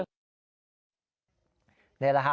นี่แหละฮะ